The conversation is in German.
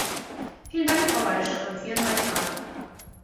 Vielen Dank, Frau Wallström, für Ihren Beitrag.